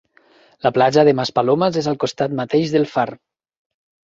La platja de Maspalomas és al costat mateix del far.